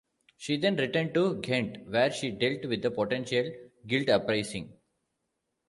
She then returned to Ghent, where she dealt with a potential guild uprising.